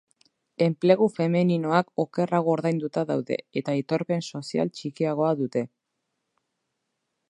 Enplegu femeninoak okerrago ordainduta daude eta aitorpen sozial txikiagoa dute.